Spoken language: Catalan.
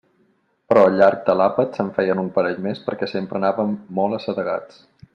Però al llarg de l'àpat se'n feien un parell més perquè sempre anàvem molt assedegats.